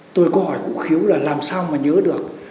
tôi có hỏi cụ khiếu là làm sao mà nhớ được